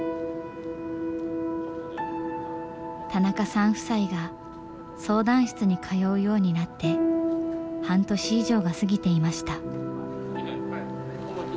田中さん夫妻が相談室に通うようになって半年以上が過ぎていました。